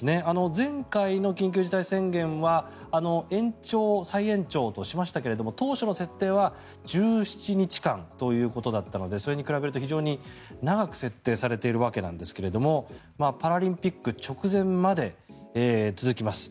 前回の緊急事態宣言は延長、再延長としましたが当初の設定は１７日間ということだったのでそれに比べると非常に長く設定されているわけですがパラリンピック直前まで続きます。